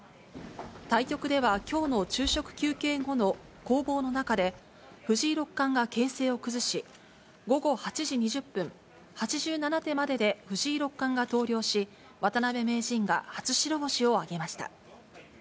対局では、きょうの昼食休憩後の攻防の中で、藤井六冠が形勢を崩し、午後８時２０分、８７手までで藤井六冠が投了し、渡辺名人が初白星を挙げました。